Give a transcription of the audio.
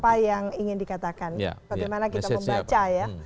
apa yang ingin dikatakan bagaimana kita membaca ya